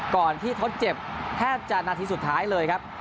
ก่อนที่ทดเจ็บแทบจะนาทีสุดท้ายเลยครับ